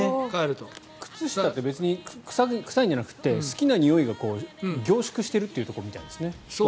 靴下って別に臭いんじゃなくて好きなにおいが凝縮しているところみたいですね